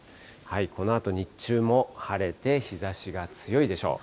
このあと日中も晴れて日ざしが強いでしょう。